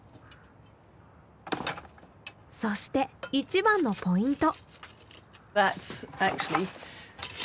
そして一番のポイント。